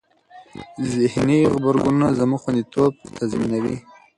ذهني غبرګونونه زموږ خوندیتوب تضمینوي.